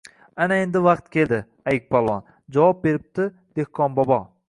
Ana endi vaqti keldi, ayiqpolvon! — javob beribdi dehqonbobo